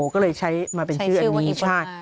ก็เลยใช้มาเป็นชื่ออันนี้ใช่